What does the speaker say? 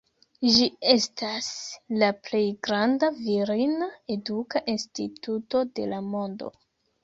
Ĝi estas la plej granda virina eduka instituto de la mondo.